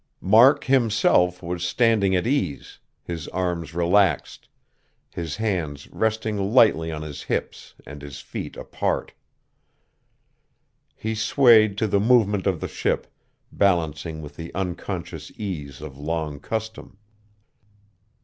Mark himself was standing at ease, his arms relaxed, his hands resting lightly on his hips and his feet apart. He swayed to the movement of the ship, balancing with the unconscious ease of long custom.